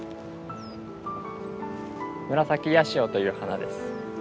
ムラサキヤシオという花です。